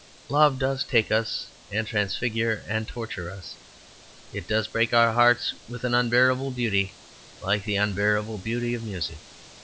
Love does take us and transfigure and torture us. It does break our hearts with an unbearable beauty, like the unbearable beauty of music.